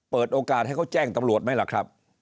เปิดโอกาสให้เขาแจ้งตำรวจไหมล่ะครับ